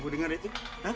kamu dengar itu